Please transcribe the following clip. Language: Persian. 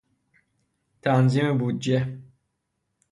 تنظیم بودجه